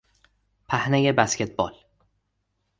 پهنهی بسکتبال